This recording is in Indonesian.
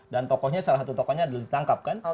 dan tokohnya salah satu tokohnya adalah ditangkap kan